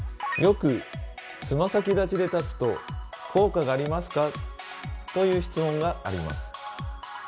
よくつま先立ちで立つと効果がありますか？という質問があります。